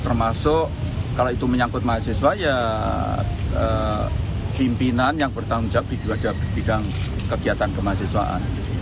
termasuk kalau itu menyangkut mahasiswa ya pimpinan yang bertanggung jawab di bidang kegiatan kemahasiswaan